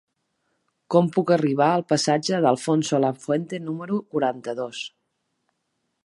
Com puc arribar al passatge d'Alfonso Lafuente número quaranta-dos?